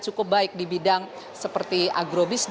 yang berartemis writer di pernyataan pumpsa